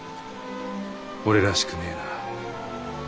俺らしくねえな。